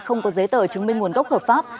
không có giấy tờ chứng minh nguồn gốc hợp pháp